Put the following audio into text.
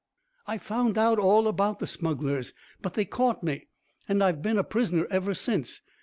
"I found out all about the smugglers, but they caught me, and I've been a prisoner ever since.